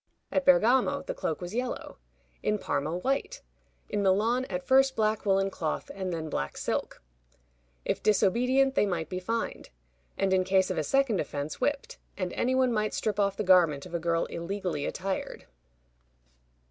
At Bergamo the cloak was yellow; in Parma, white; in Milan, at first black woolen cloth, and then black silk. If disobedient, they might be fined; and in case of a second offense, whipped; and any one might strip off the garment of a girl illegally attired.